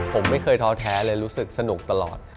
ผมไม่เคยท้อแท้เลยรู้สึกสนุกตลอด